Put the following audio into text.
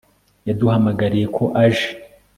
Yaduhamagariye ko aje